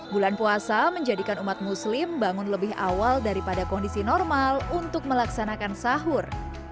bulan puasa menjadikan umat muslim bangun lebih awal daripada kondisi normal untuk melaksanakan sahur